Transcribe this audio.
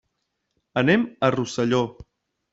Anem a Rosselló.